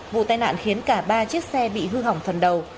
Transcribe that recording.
vụ tai nạn khiến cả ba chiếc xe bị hư hỏng phần đầu